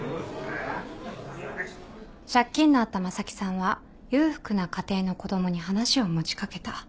借金のあった正木さんは裕福な家庭の子供に話を持ち掛けた。